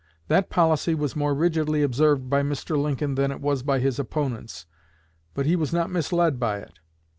That policy was more rigidly observed by Mr. Lincoln than it was by his opponents, but he was not misled by it.